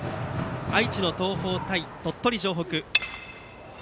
愛知の東邦対、鳥取城北。